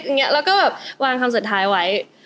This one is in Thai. อย่างนี้แล้วก็แบบวางคำสุดท้ายไว้